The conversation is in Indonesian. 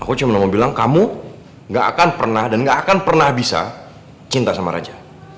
aku cuma mau bilang kamu gak akan pernah dan gak akan pernah bisa cinta sama raja